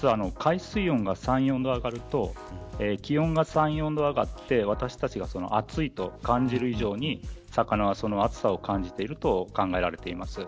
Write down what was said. まず海水温が３、４度上がると気温が３、４度上がって私たちが暑いと感じる以上に魚は暑さを感じていると考えられます。